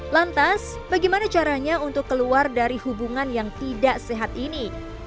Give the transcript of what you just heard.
lantas bagaimana caranya untuk keluar dari hubungan yang tidak sehat ini